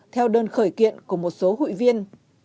theo đơn khởi kiện của một số hụi viên